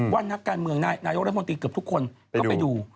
นักการเมืองนายกรัฐมนตรีเกือบทุกคนก็ไปดู